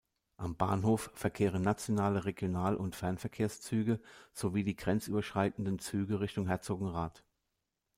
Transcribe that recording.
Am Bahnhof verkehren nationale Regional- und Fernverkehrszüge sowie die grenzüberschreitenden Züge Richtung Herzogenrath.